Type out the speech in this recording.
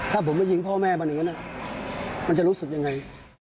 ถ้าผมไปยิงพ่อแม่มันอย่างนั้นมันจะรู้สึกยังไง